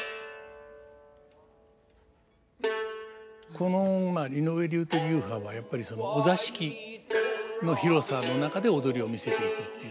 この井上流という流派はやっぱりお座敷の広さの中で踊りを見せていくっていう。